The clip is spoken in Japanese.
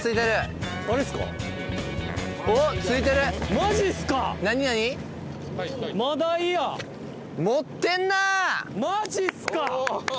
マジっすか！？